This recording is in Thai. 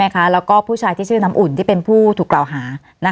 แล้วก็ผู้ชายที่ชื่อน้ำอุ่นที่เป็นผู้ถูกกล่าวหา